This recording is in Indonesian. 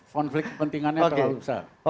konflik kepentingannya terlalu besar